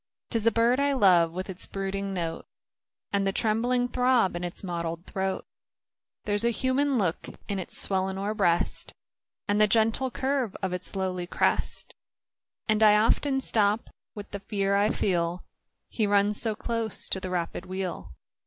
'Tis a bird I love, with its brooding note, And the trembling throb in its mottled throat ; There's a human look in its swellinor breast, And the gentle curve of its lowly crest ; And I often stop with the fear I feel — He runs so close to the rapid wheel.